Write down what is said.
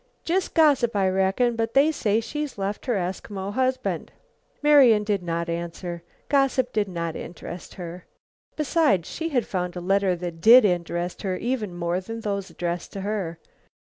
"Jist gossip, I reckon, but they say she's left her Eskimo husband " Marian did not answer. Gossip did not interest her. Besides, she had found a letter that did interest her even more than those addressed to her.